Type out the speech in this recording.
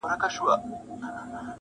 • ته خوږمن او زه خواخوږی خدای پیدا کړم,